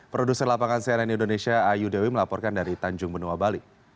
produser lapangan cnn indonesia ayu dewi melaporkan dari tanjung benua bali